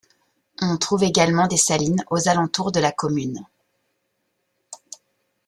On trouve également des salines aux alentours de la commune.